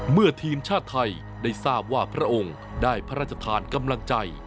เมื่อทีมชาติไทยได้ทราบว่าพระองค์ได้พระราชทานกำลังใจ